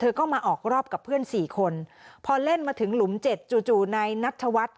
เธอก็มาออกรอบกับเพื่อนสี่คนพอเล่นมาถึงหลุม๗จู่ในนัฐวัฒน์